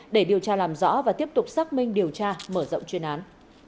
để điều tra làm rõ và tiếp tục xác minh điều tra mở rộng chuyên án